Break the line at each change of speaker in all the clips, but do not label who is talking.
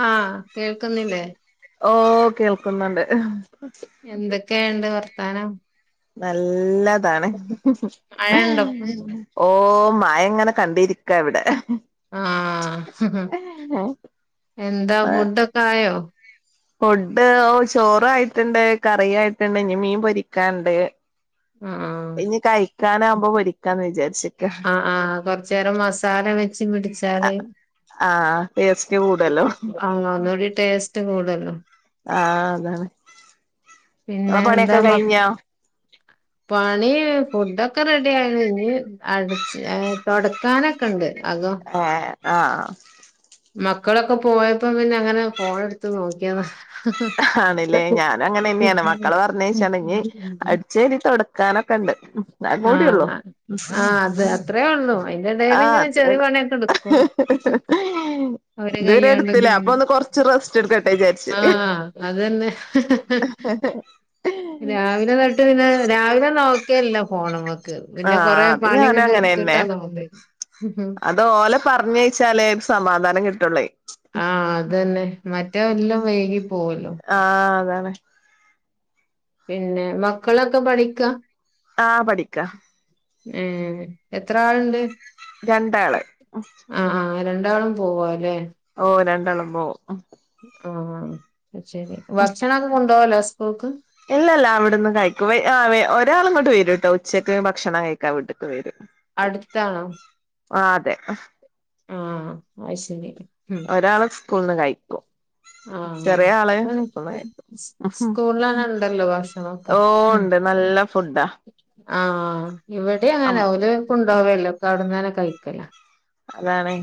ആഹ് കേൾക്കുന്നില്ലേ?
ഓഹ് കേൾക്കുന്നുണ്ട്
എന്തെക്കെയുണ്ട് വർത്താനം
നല്ലതാണ്
മഴ ഉണ്ടോ ഇപ്പം
ഓഹ് മഴ ഇങ്ങനെ കണ്ടിരിക്ക ഇവിടെ
ആഹ് എന്താ ഫുഡൊക്കായോ?
ഫുഡ്‌ ഓഹ് ചോറായിട്ടുണ്ട് കറിയായിട്ടുണ്ട് ഇനി മീൻ പൊരിക്കാണ്ട്
ആഹ്
അത് ഇഞ് കഴിക്കാനാവുമ്പോ പൊരിക്കാന്ന് വിചാരിച്ച്
ആഹ് ആഹ് കൊറച്ചേരം മസാല വെച്ച് പിടിച്ചാല്
ആഹ് ടേസ്റ്റ് കൂടുവല്ലോ?
ആഹ് ഒന്നൂടി ടേസ്റ്റ് കൂടുവല്ലോ
ആഹ് അതാണ്
പിന്നെ
ഇങ്ങളെ
എന്താ
പണിയൊക്കെ
മക്
കഴിഞ്ഞോ?
പണി ഫുഡൊക്കെ റെഡിയായിണ് ഇഞ്ഞ് അടച്ച് തൊട ക്കാനൊക്കെണ്ട് അകം
ഏഹ് ആഹ്
മക്കളൊക്കെ പോയപ്പോ പിന്നെ അങ്ങനെ ഫോണ് എടുത്ത് നോക്കിയത
ആണ്ല്ലേ? ഞാനങ്ങനെ തന്നെയാണ് മക്കളെ പറഞ്ഞയച്ചാണ്ട് ഇഞ്ഞ്
നോക്കിയതാ
അടിച്ചരി തൊടക്കാനൊക്കെണ്ട് അഹ് കൂടിയൊള്ളൂ
ആഹ് ആഹ് അത് അത്രേ ഒള്ളൂ അയിന്റെ എടേല്
ആഹ്
ഇങ്ങനെ
അത്രേ
ചെറിയ
ഒള്ളു
പണിയൊക്കെ എടുക്കും അവരെ
ഇതുവരെ
കൈയ്യോണ്ടൊക്കെ
ഇട്ത്തില്ലേ അപ്പൊ ഒന്ന് കൊറച്ച് റസ്റ്റ് എടുക്കട്ടെ വിചാരിച്ചു
ആഹ് അതന്നെ രാവിലെ ഇന്നെട്ട് പിന്നെ രാവിലെ നോക്കേല്ല ഫോണ് മ്മക്ക് പിന്നെ കൊറേ
ആഹ് അത് ഞാനും
പണിങ്ങട്ട്
അങ്ങനെന്നെ
എടുത്തിട്ടാ നോക്ക
അത് ഓലെ പറഞ്ഞയ്ച്ചാലേ ഒരു സമാധാനം കിട്ടൊള്ളേ
ആഹ്, അത് തന്നെ. മറ്റേ എല്ലാം വൈകി പോവല്ലോ?
ആഹ്, അതാണ്.
പിന്നെ, മക്കളൊക്കെ പഠിക്കാ.
ആഹ്, പഠിക്ക.
ഏ, എത്ര ആളുണ്ട്?
രണ്ടാള്
ആഹ്, ആഹ്, രണ്ടാളും പോവാ അല്ലേ.
ഓ, രണ്ടാളും പോവും
ആഹ്, ശരി ഭക്ഷണൊക്കെ കൊണ്ടു പോവല്ല സ്കൂൾക്ക്.
ഇല്ല ല്ല അവിടുന്ന് കഴിക്കും. വെ ആ വെ ഒരാളങ്ങോട്ട് വരും. കേട്ടോ ഉച്ചക്ക് ഭക്ഷണം കഴിക്കാൻ വീട്ടിൽക്ക് വരും.
അടുത്താണോ?
ആഹ്, അതെ.
ആഹ്, അത് ശരി. ഉം
ഒരാള് സ്കൂളന്ന് കഴിക്കും.
ആഹ്,
ചെറിയ ആള് സ്കൂൾന്ന്
ഇപ്പൊ സ്,
കഴിക്കും
സ്കൂളിലന്നെ ഉണ്ടല്ലോ? ഭക്ഷണം നോക്കെ
ഓ
ഉം,
ഉണ്ട്
ഉം
നല്ല ഫുഡാ
ആഹ്, ഇവിടെ അങ്ങന ഓല്. പ്പൊ കൊണ്ട് പോവാറില്ല, പ്പൊ അവിടന്ന ന്നെ കഴിക്കല.
അതാണ്.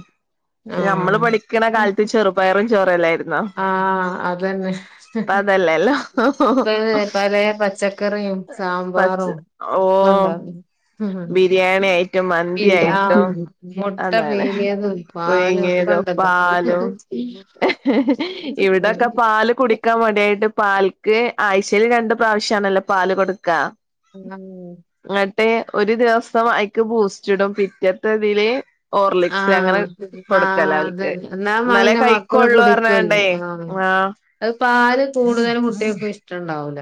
നമ്മള്
ആഹ്,
പഠിക്കണ കാലത്ത് ചെറുപയറും ചോറല്ലായിരുന്നോ
ആഹ്, അത് തന്നെ.
ഇപ്പ അതല്ലല്ലോ
ഇപ്പോൾ [unintelligible] പല പച്ചക്കറിയും
പച്ച
സാമ്പാറും.
ഓ
[unintelligible]
ബിരിയാണി, ആയിട്ടും മന്തി,
പിരി ആഹ്
ആയിട്ടും.
മുട്ട
അതാണ്.
പീങ്ങിയതും പാലും ഒക്കെ
പുഴുങ്ങിയതും
ഉണ്ടല്ലോ
പാലും. ഇവിടെക്കെ പാല് കുടിക്കാൻ മടിയാ യിട്ട്. പാൽക്ക് ആഴ്ചയിൽ രണ്ട് പ്രാവശ്യണ ല്ലോ? പാല് കൊടുക്കാ.
[unintelligible]
എന്നിട്ട്, ഒരു ദിവസം അതിൽക്ക് ബൂസ്റ്റ് ഇടും. പിറ്റത്ത ഇതില് ഹോർലിക്സ് അങ്ങനെ
ആഹ്,
കൊടുക്കല
ആഹ്
അവൽക്ക്
അതന്നെ, എന്നാ മകന
എന്നാലേ
പിന്നെ മക്കള്
കഴിക്കൊള്ളൂ
കുടിക്കുവല്ലോ?
പറഞ്ഞാണ്ടേ
ആഹ് അത് പാല് കൂടുതലും കുട്ടികൾക് ഇഷ്ടം ഉണ്ടാവൂല.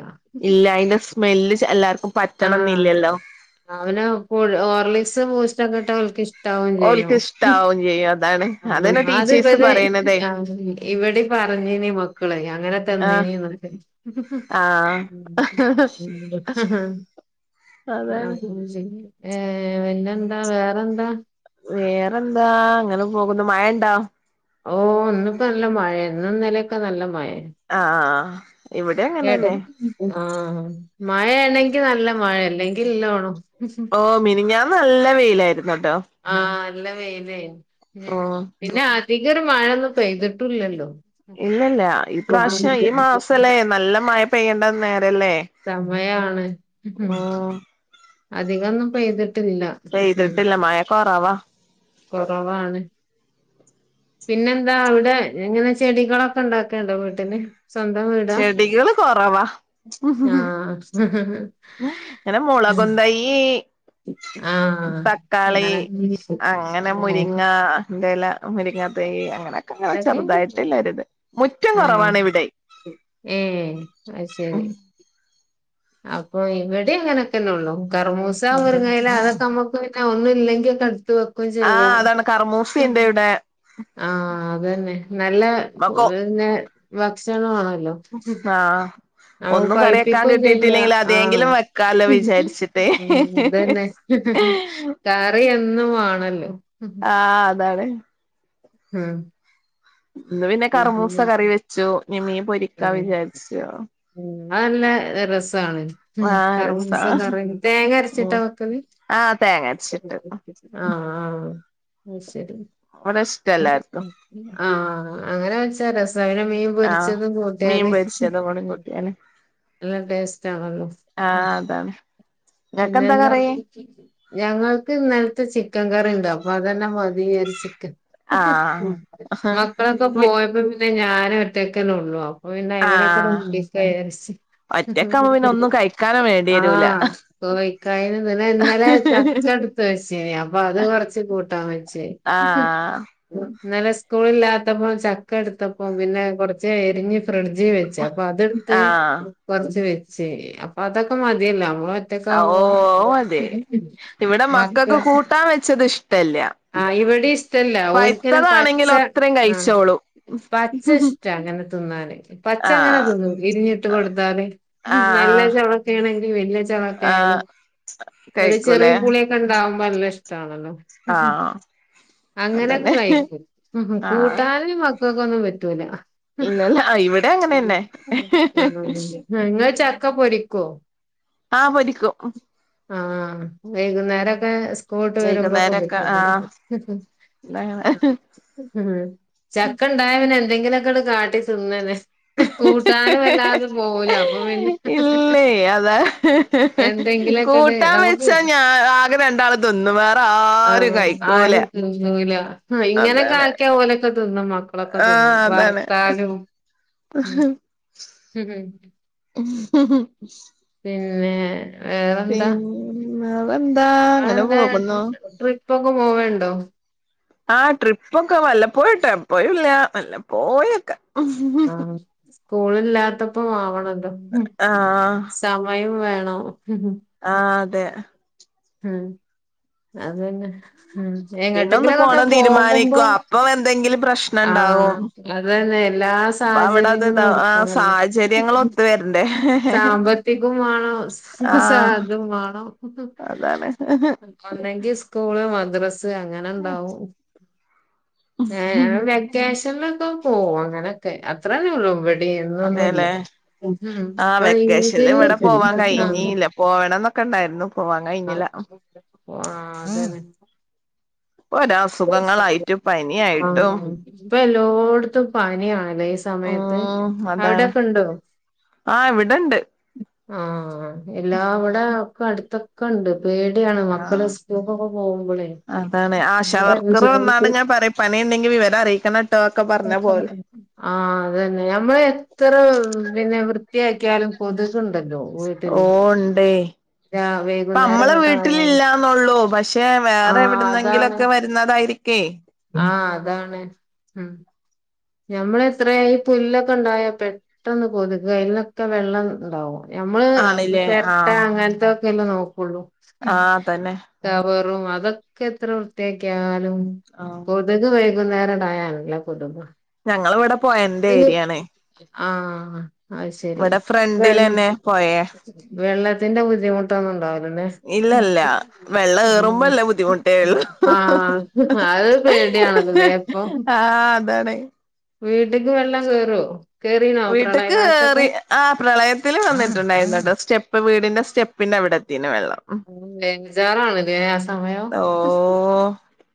ഇല്ല, അതിന്റെ സ്മെല്ല് എല്ലാവർക്കും പറ്റണം എന്നില്ല ല്ലോ?
ആഹ്, പിന്നെ ഹോർലിക്സ്, ബൂസ്റ്റൊ ക്കെ ട്ട ഓല്ക്ക് ഇഷ്ടാവും
ഓൽക്ക്
ചെയ്യും.
[unintelligible] അതന്നെ
അത്
ടീച്ചേഴ്സ്
ഇവല്,
പറയണതേ
ആഹ്, ഇവിടെ പറഞ്ഞിന് മക്കള് അങ്ങനെ തന്നീ
ആഹ്
നീന്ന്.
ആഹ്
[unintelligible]
അതാണ്
അത് [unintelligible] ഏ പിന്നെ ന്താ വേറെ ന്താ.
വേറെന്താ, അങ്ങനെ പോകുന്നു. മഴ ഉണ്ടോ?
ഓ, ന്ന് പ്പൊ നല്ല മഴ ഇന്നും ഇന്ന ലൊക്കെ നല്ല മഴയാ.
ആഹ്, ആഹ്, ആഹ്
എട ആഹ്, മഴയാണെങ്കി നല്ല മഴ അല്ലെങ്കിൽ, നല്ലോണം
ഓ മിനുഞ്ഞാന്ന് നല്ല വെയിലായിരുന്നു ട്ടോ?
ആഹ്, നല്ല വെയിൽ ആയിരുന്നു.
ഓ
പിന്നെ, അധിക ഒരു മഴയൊന്നും പെയ്തിട്ടില്ല ല്ലോ?
ഇല്ല ല്ല. ഈ പ്രാവശ്യം ഈ മാസല്ലേ നല്ല മഴ പെയ്യേണ്ട നേരല്ലേ?
സമയാണ്
ഉം
അധികം ഒന്നും പെയ്തിട്ടില്ല. ഉം
പെയ്ത്ട്ട്ല്ല മഴ കൊറവ.
കൊറവാണ്. പിന്നെെന്താ അവിടെ. എങ്ങനെ ചെടികളൊക്കെ ഇണ്ടാക്കേണ്ടോ വീട്ടില്. സ്വന്തം വീട.
ചെടികള് കൊറവാ
ആഹ്.
ഇങ്ങനെ മുളകും തയ്യി
ആഹ്
തക്കാളി,
അങ്ങനെ
അങ്ങനെ
ഇതൊക്കെ
മുരിങ്ങൻ്റെല. മരിങ്ങ തയ്യ്. അങ്ങനൊക്കെ ഇങ്ങനെ ചെറുതായിട്ടില്ല ഒരുത്. മുറ്റം
ആഹ്
കൊറവാണ് ഇവിടെ.
ഏഹ് അഹ് ശരി അപ്പൊ ഇവെടെ അങ്ങനൊക്കെന്നെകറ്മൂസ,
അതെ
മുരിങ്ങ ഇല അതൊക്കെ നമ്മു ക്കും ഒന്നും ഇല്ലെങ്കി ഒക്കെ എടുത്ത് വെ
ആഹ് അതാണ്. കറ്മൂസിം ഇണ്ട് ഇവിടെ
ആഹ് അതെന്നെ നല്ല
മക്കോ
പിന്നെ ഭക്ഷണു അണല്ലോ
ആഹ്
ആ
ഒന്നും കറി വെക്കാൻ
പായിപ്പിക്കും ചെയ്യാ.
കിട്ടിയിട്ടില്ലെങ്കിൽ
ആഹ്
അതെങ്കിലും വെക്കാലോ വിചാരിച്ചിട്ടേ
അതന്നെ കറിയെന്നും വാണല്ലോ
ആഹ് അതാണ്
ഉം
ഇന്ന് പിന്നെ കറുമൂസ കറി വെച്ചു. ഇനി മീൻ പൊരിക്കാ
ഉം
വിചാരിച്ചു.
ഉം ഇന്നാ നല്ല രസാണ്. ഉം
ആഹ് രസാ
കറ്മൂസ കറി തേങ്ങ അരച്ചിട്ടാ
ഉം
വെക്കല്.
ആഹ് തേങ്ങ അരച്ചിട്ട്
ആഹ് ആഹ് അഹ് ശരി
ഇവടെ ഇഷ്ട
അത്
എല്ലാർക്കും.
ആഹ് അങ്ങനെ വെച്ചാ രസാ. പിന്നെ മീൻ
ആഹ്
പൊരിച്ചത്
മീൻ
കൂട്ട്യാല്
പൊരിച്ചതും കൂടി കൂട്ടിയാല്
നല്ല ടേസ്റ്റ് ആണല്ലൊ.
ആഹ് അതാണ്. ഇങ്ങക്കെന്താ
പിന്നെന്താ
കറി
ഞങ്ങൾക്ക് ഇന്നെൽത്തെ ചിക്കൻ കറിണ്ട്. അപ്പൊ അതന്നെ മതി [unintelligible] വിചാരിച്ച്ക്ക.
ആഹ്
ഉം
ആഹ്
മക്കളൊക്കെ
വി
പോയപ്പം പിന്നെ ഞാന് ഒറ്റക്കന്നെ ഒള്ളു അപ്പോ പിന്നെ അയിമല് ഒക്കെ
ആഹ്
ആണ്ട് ചെയ്യാ
ഒറ്റക്കാവുമ്പോ പിന്നെ
വിചാരിച്ച്
ഒന്നും കഴിക്കാനും വേണ്ടി വരൂല
ആഹ് [unintelligible] ഇന്നലെ ചക്ക എടുത്ത് വെച്ചീനി. അപ്പൊ അത് കൊറച്ച് കൂട്ടാൻ വെച്ച്
ആഹ്
ഇന്നലെ സ്കൂളില്ലാത്തപ്പോ ചക്ക എടുത്തപ്പോ പിന്നെ കൊറച്ച് എരിഞ്ഞ് ഫ്രിഡ്ജ് വെ ച്ച് അപ്പൊ അതെടുത്ത്
ആഹ്
കുറച്ച് വെച്ച് അപ്പൊ അതൊക്കെ മതിയല്ലോ നമ്മള്
ഓ
ഒറ്റക്കാവുമ്പം
അതെ ഇവിടെ
മക്കൾ
മക്കൾക്ക് കൂട്ടാൻ വെച്ചത് ഇഷ്ടല്ല
ആ ഇവടിം ഇഷ്ടല്ല. ഓല്ക്ക് ഇങ്ങനെ പച്ച
പഴുത്തതാണെങ്കിലോ അത്രയും
ആ
കഴിച്ചോളും
പച്ച ഇഷ് ടാ അങ്ങനെ തിന്നാന്. പച്ച അങ്ങനെ
ആഹ്
തിന്നും. എരുഞ്ഞിട്ട് കൊടുത്താല് നല്ല
ആഹ്
ചോള ആണെങ്കി വലിയ ചോളൊക്കെ ആയാല്
ആഹ്
ഒരു ചെറിയ
കഴിക്കൂലേ
പുളിയൊക്കെ ഉണ്ടാവുമ്പോ നല്ല ഇഷ്ടാണല്ലോ
ആഹ്
അങ്ങനൊക്കെ
അതന്നെ
കഴിക്കും ഉം ഉം
ആഹ്
കൂട്ടാന്. ഇവക്കൊന്നും പറ്റൂല.
ഇന്നല്ല ഇവിടെ അങ്ങനെന്നെ
നിങ്ങൾ ചക്ക പൊരിക്ക
ആഹ് പൊരിക്കും
ആഹ് വൈകുന്നേരൊക്കെ സ്കൂൾ വിട്ട് വരുമ്പോക്കെ
വൈകുന്നേരൊക്കെ ആഹ്
[unintelligible] ചക്ക ഇണ്ടായാ പിന്നെ എന്തെങ്കിലൊക്കെ ഇട് കാട്ടി തിന്നെനെ കൂട്ടാനും വല്ലാതും പോവൂല അപ്പൊ പിന്നെ
ഇല്ലേ അതാ
എന്തെങ്കിലൊക്കെണ്ട്
കൂട്ടാൻ
നമുക്ക്
വെച്ചാ ഞാ ആകെ രണ്ടാള് തിന്നും വേറാരും
ആഹ്
കഴിക്കൂല.
ആരും തിന്നൂല. ആഹ് ഇങ്ങനൊക്കെ
അതാണ്
ആക്കിയാ ഓലൊക്കെ തിന്നും മക്കളൊക്കെ തിന്നും
ആഹ് അതാണ്
വർത്താലും ഉം ഉം
ഉഹെഹെ
പിന്നെ വേറെന്താ
വേറന്താ അങ്ങനെ
നിങ്ങളെന്താ
പോകുന്നു.
ട്രിപ്പൊക്കെ പോവണ്ടോ
ആഹ് ട്രിപ്പൊക്കെ വല്ലപ്പോയുട്ടോ എപ്പയുല്ല വല്ലപ്പോയൊക്കെ.
ആഹ് സ്കൂളില്ലാത്തപ്പം ആവണല്ലോ.
ആഹ്
സമയും വേണം.
ആഹ് അതെ.
ഉം അതന്നെ. ഉം
പിന്നെ ഒന്ന്
എങ്ങട്ടെങ്കിലൊക്കൊന്ന്
പോണം തീരുമാനിക്കും
പോകുമ്പം
അപ്പൊ എന്തെങ്കിലും പ്രശ്നം ഉണ്ടാവും
ആഹ് അതന്നെ എല്ലാ
അപ്പൊ അവിടെ അത്
സാഹചര്യങ്ങളും
ഇതാ ആഹ്
ഒരുക്കണല്ലോ.
സാഹചര്യങ്ങൾ ഒത്തു വരണ്ടേ
സാമ്പ ത്തികും വാണം സാ
ആഹ്
ഇതും വാണം.
അതാണ്.
ഒന്നെങ്കി സ്കൂള് മദ്രസ് സ് അങ്ങനെണ്ടാവും ഏഹ് ഞങൾ വെ ക്കേഷൻലൊക്കെ പോവും. അങ്ങനൊക്കെ. അത്രെന്നൊള്ളൂ ഇവെ ടിം യെന്നൊന്നുല്ല.
അതെല്ലേ
ഹും
ആഹ്
ഇപ്പ ഈദ്ന്, ആഹ്
പോവണംന്നൊക്കെ ഇണ്ടായിരുന്നു പോവാൻ കഴിഞ്ഞില.
ആഹ് അതന്നെ
പ്പ വരാ ഹസ്
[unintelligible] ആഹ് ഇപ്പ എല്ലോട്ത്തും പനിയാണ് ല്ലേ. ഇ സമയത്ത്
ഉം അതാണ്
അവിടെക്കെ ണ്ടോ?
ആഹ് ഇവിടെണ്ട്.
ആഹ് എല്ലാ വടെ ഒക്കെ അടുത്തൊക്ക്ണ്ട്. പേടിയാണ് മക്കള്
ആഹ്
സ്കൂൾക്കൊക്കെ പോകുമ്പളേ.
അതാണ്. ആശ വർക്കർ വന്നാണ്ട് ഇങ്ങനെ പറ്യും പനിണ്ടെങ്കി വിവരം അറിയിക്കണം ട്ടോ ക്കെ പറഞ്ഞാ പോവല്.
ആഹ് അത് തന്നെ. ഞമ്മള് എത്ര പിന്നെ വൃത്തിയാക്കിയാലും കൊതുക്ണ്ടല്ലോ.
ഓഹ് ണ്ടേ. ഇപ്പ
വൈകുന്നേരം
നമ്മളെ
ഇങ്ങോട്ട് ആയാല്
വീട്ടിലില്ലാന്നൊള്ളൂ പക്ഷെ വേറെ
ആഹ് അതാണ്
എവിട്ന്നെങ്കിലൊക്കെ വ ര്ന്നതായിരിക്കേ.
ആഹ് അതാണ്. ഉം ഞമ്മൾ എത്രേ പുല്ലൊക്കെ ഇണ്ടായാ പെ ട്ടെന്ന് കൊതുക് അയിൽനൊക്കെ വെള്ളം ണ്ടാവും. ഞമ്മള്
ആണില്ലേ
ചെര്ട്ട
ആഹ്
അങ്ങൻത്തൊക്കെല്ലേ നോക്കൊള്ളൂ.
ആഹ് തന്നെ
കവറും അതൊക്കെ എത്ര വൃത്തിയാക്കിയാലും.
ആഹ്.
ഇവൽക്ക് വൈകുന്നേരാണ്ടായാ നല്ല പുതുമ.
ഞങ്ങളവട
[unintelligible] ആഹ് അഹ് ശരി.
ഇവിടെ
വെ
ഫ്രണ്ടിലന്നെ പൊയേ
വെള്ളത്തിന്റെ ബുദ്ധിമുട്ടൊന്നും ഉണ്ടാവൂല്ല ലെ.
ഇല്ലല്ല. വെള്ള ഏറുമ്പല്ലെ ബുദ്ധിമുട്ടേള്ളു.
ആഹ് അത് പേടിയാണല്ലേ
ആഹ് അതാണെ.
വീട്ടിക്ക് വെള്ളം കേറോ കേറീന്നോ പ്രളയകാലത്തൊക്കെ
ആ പ്രളയത്തില് വന്നിട്ടുണ്ടായിരുന്നട്ടോ സ്റ്റെപ്പ് വീടിന്റെ സ്റ്റെപ്പിന്റെ അവിടെത്തീന്ന്‌ വെള്ളം
ബെജ്ജാറാണിലേ ആ സമയം
ഓഹ്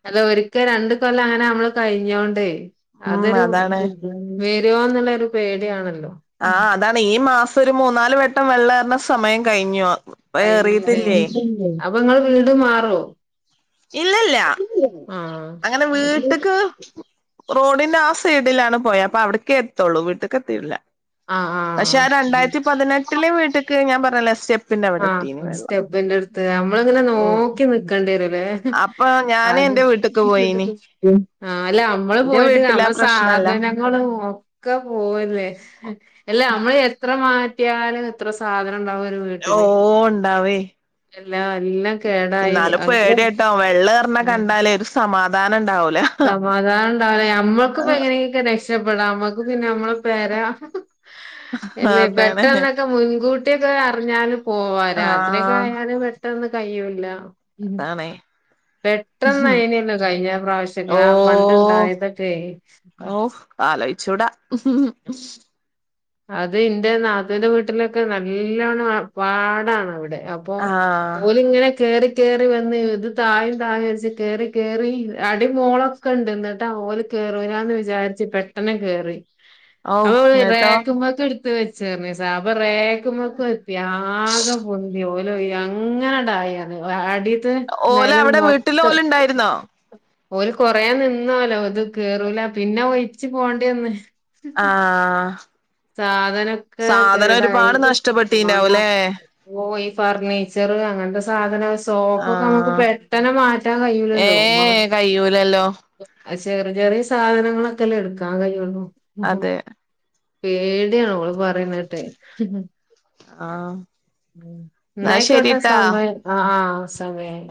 അല്ല ഒരിക്കെ രണ്ട് കൊല്ലം അങ്ങനെ നമ്മള് കഴിഞ്ഞോണ്ടേ
ഉം
അതൊരു
അതാണ്
വെരോ ന്നുള്ളൊരു പേടിയാണല്ലോ
ആ
ഉം
അതാണ് ഈ മാസം ഒരു മൂന്നാല് വട്ടം വെള്ളേർണ സമയം കഴിഞ്ഞു
കഴിഞ്ഞ്തെ
ഏറിയിട്ടില്ലേ
അപ്പൊ ങ്ങള് വീട് മാറോ?
ഇല്ലില്ല
ആഹ്
അങ്ങനെ
അത്
വീട്ട്ക്ക് റോഡിന്റെ ആ സൈഡിലാണ് പൊയ അപ്പൊ അവ്ട്ക്കേ എത്തുള്ളൂ വീട്ട്ക്ക് എത്തീട്ടില്ല
ആഹ്
പക്ഷെ
ആഹ്
ആ രണ്ടായിരത്തി പതിനെട്ടില് വീട്ട്ക്ക് ഞാൻ പറഞ്ഞല്ലേ സ്റ്റെ
ആ സ്റ്റെപ്പിന്റെട്ത്ത് നമ്മളിങ്ങനെ
ഉം
നോക്കി നിക്കണ്ടിഎരൂലേ
അപ്പൊ ഞാന് എന്റെ വീ
ആ അല്ല നമ്മള്
എന്റെ
പോയിട്ട്
വീട്ടിലാ
നമ്മ
പ്രശ്നല്ല
സാധനങ്ങള് ഒ ഒക്കെ പോവല്ലേ എല്ല നമ്മള് എത്ര മാറ്റിയാലും എത്ര സാധനം ഉണ്ടാവും ഒരു വീ
ഓ ഇണ്ടാവേ
എല്ലാ എല്ല
ഇന്നാലും പേട്യ ട്ടോ വെള്ളേറ്ണ കണ്ടാലേ ഒരു സമാധാനം ഇണ്ടാവൂല
സമാധാനം ഇണ്ടാവൂലേ നമ്മക്കിപ്പ എങ്ങനെയൊക്കെ രക്ഷപ്പെടാം നമ്മക്ക് പിന്നെ നമ്മള പെര അല്ലെ
അതാണ്
പെട്ടെന്നൊക്കെ മുൻകൂ കുട്ടിയൊക്കെ അറിഞ്ഞാലും പോവാ രാത്രി ഒക്കെ
ആഹ്
ആയാല് പെട്ടെന്ന് കയ്യൂല്ല ഉം
അതാണേ
പെട്ടെന്ന് അയിനല്ലോ കഴിഞ്ഞ പ്രാവശ്
ഓ
യാ പണ്ട് ഇണ്ടായതൊക്കെ
ആലോയ്ച്ചൂടാ
അത് ഇന്റെ നാത്തൂന്റെ വീട്ടിലൊക്കെ നല്ലോണം പാടാണ് അവിടെ അപ്പൊ
ആഹ്
ഓല് ഇങ്ങനെ കേറി കേറി വന്ന്‌ ഇത് തായും തായും വിചാരിച്ചു കേറി കേറി അടിമോളൊക്കെണ്ട് ഇന്നിട്ട ഓല് കേറൂലാന്ന് വിളിച്ചു പെട്ടെന്ന് കേറി
ഔ ഹ് ങ്ങേറ്റോ ട്ടോ
ക്ക്‌ മെക്ക് എടുത്ത് വെച്ചേർന്ന് സാബ റേക്കുമ്മെക്ക് എത്തി ആകെ പൊന്തി ഒ ല്ലൊയ് അങ്ങനെണ്ടായി അത് അടീത്തത്
ഓല്
നെലം
അവിടെ വീട്ടില്
മൊത്തം
ഓലുണ്ടായിരുന്നോ
ഓല് കൊറയാൻ നിന്നോലോ ഇത് കേറൂല പിന്നെ ഒയിച്ച് പോണ്ടേ ഒന്ന്
ആഹ്
സാധനൊക്കെ
സാധനം
കേടായി
ഒരുപാട് നഷ്ടപ്പെട്ടീണ്ടാവുംല്ലേ
ഓ ഈ ഫർണീച്ചറ് അങ്ങനത്തെ സാധന സോപ്പൊക്കെ നമുക്ക്
ആഹ്
പെട്ടെന്ന് മാ റ്റാ കയ്യൂലല്ലോ മ
ഏ കയ്യൂലല്ലോ
ചെറിയ ചെറിയ സാധനങ്ങളൊക്കെല്ലേ എടുക്കാൻ കഴിയുള്ളു
അതെ
പേടിയാണ ഓള് പറയുണേട്ടെ
ആ
ഉം ഇന്നയ്ക്കോട്ടെ സമയ് ആ ആ സമായി